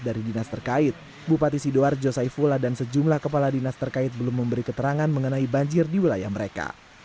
dari dinas terkait bupati sidoarjo saifullah dan sejumlah kepala dinas terkait belum memberi keterangan mengenai banjir di wilayah mereka